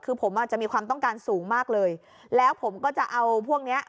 คือผมอาจจะมีความต้องการสูงมากเลยแล้วผมก็จะเอาพวกเนี้ย